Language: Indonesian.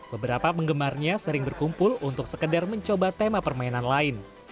beberapa penggemarnya sering berkumpul untuk sekedar mencoba tema permainan lain